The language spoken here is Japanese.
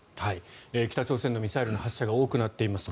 北朝鮮のミサイルの発射が多くなっています。